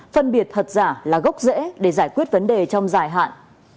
phân biệt thật giả là gốc dễ để giải quyết vấn đề trong dài hạn